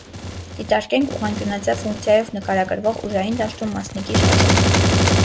Դիտարկենք ուղղանկյունաձև ֆունկցիայով նկարագրվող ուժային դաշտում մասնիկի շարժումը։